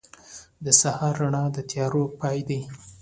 • د سهار رڼا د تیارو پای دی.